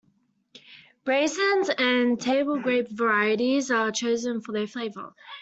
Raisins and table grape varieties are chosen for their flavour.